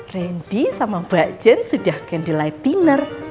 ren di sama mbak jen sudah candlelight dinner